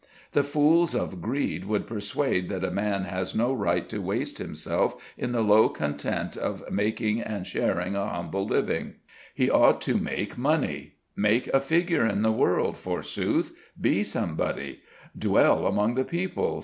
The fools of greed would persuade that a man has no right to waste himself in the low content of making and sharing a humble living; he ought to make money! make a figure in the world, forsooth! be somebody! 'Dwell among the people!'